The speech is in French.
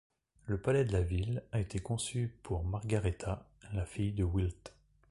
Le palais de la ville a été conçu pour Margaretha, la fille de Wildt.